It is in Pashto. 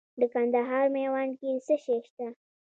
د کندهار په میوند کې څه شی شته؟